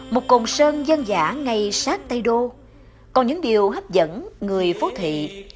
một cộng sơn dân giả ngay sát tây đô còn những điều hấp dẫn người phố thị